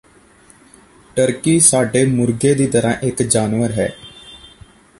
turkey ਸਾਡੇ ਮੁਰਗੇ ਦੀ ਤਰ੍ਹਾਂ ਇੱਕ ਜਾਨਵਰ ਹੈ